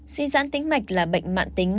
suy dãn tĩnh mạch là bệnh mạng tính